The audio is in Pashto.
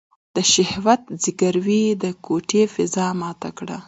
د شهوت ځګيروی يې د کوټې فضا ماته کړه.